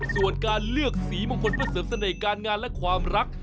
ส่วนการเลือกสีมงคลเพื่อเสริมเสน่ห์การงานและความรัก